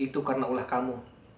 itu karena ulah kamu